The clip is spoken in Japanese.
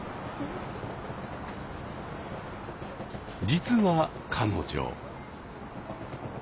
実は彼女。